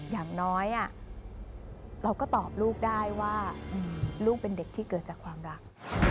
อย่างน้อยเราก็ตอบลูกได้ว่าลูกเป็นเด็กที่เกิดจากความรัก